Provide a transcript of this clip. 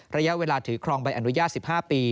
ระยะเวลาถือครองใบอนุญาต๑๕ปี